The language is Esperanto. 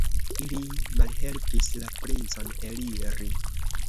Ili malhelpis la princon eliri.